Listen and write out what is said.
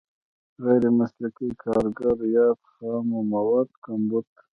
غیر مسلکي کارګر یا د خامو موادو کمبود.